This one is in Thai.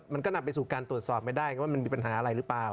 มันก็นำไปสู่การตรวจสอบไม่ได้ว่ามันมีปัญหาอะไรหรือเปล่า